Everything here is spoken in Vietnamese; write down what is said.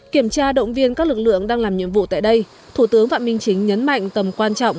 kiểm tra động viên các lực lượng đang làm nhiệm vụ tại đây thủ tướng phạm minh chính nhấn mạnh tầm quan trọng